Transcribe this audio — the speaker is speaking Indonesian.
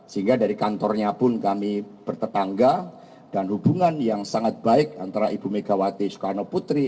sehingga dari kantornya pun kami bertetangga dan hubungan yang sangat baik antara ibu megawati soekarno putri